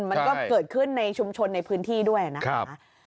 มันก็เกิดขึ้นในชุมชนในพื้นที่ด้วยนะคะ